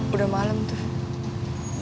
udah malem tuh